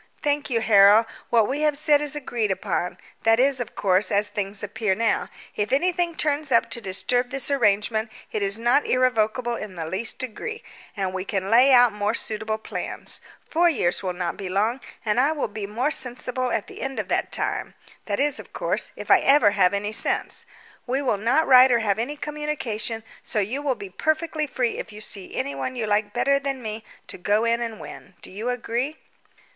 "Thank you, Harold. What we have said is agreed upon that is, of course, as things appear now: if anything turns up to disturb this arrangement it is not irrevocable in the least degree, and we can lay out more suitable plans. Four years will not be long, and I will be more sensible at the end of that time that is, of course, if I ever have any sense. We will not write or have any communication, so you will be perfectly free if you see anyone you like better than me to go in and win. Do you agree?"